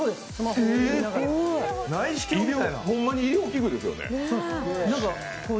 ほんまに医療器具ですよね。